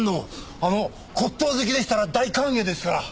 あの骨董好きでしたら大歓迎ですから。